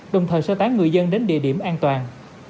đồng thời sơ tán người dân đến địa điểm an toàn